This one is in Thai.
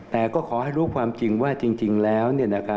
แต่ก็ขอให้รู้ความจริงว่าจริงแล้ว